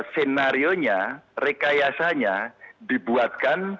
senarionya rekayasanya dibuatkan